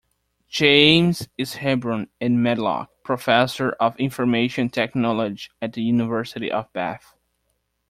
James is Hebron and Medlock Professor of Information Technology at the University of Bath.